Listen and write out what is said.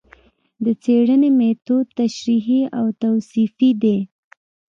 د څېړنې مېتود تشریحي او توصیفي دی